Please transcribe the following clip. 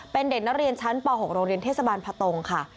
เป็นเด็กนักเรียนชั้นป๖โรงเรียนเทศบาลพะตงค่ะ